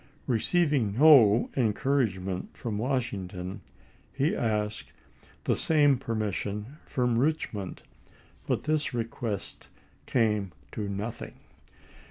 Receiving no encouragement from Washington, he asked the same permission from Richmond, but this request came to nothing.